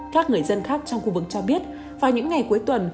các người dân khác trong khu vực cho biết vào những ngày cuối tuần